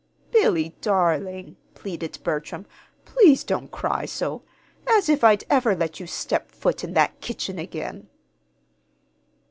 "Billy, darling," pleaded Bertram, "please don't cry so! As if I'd ever let you step foot in that kitchen again!"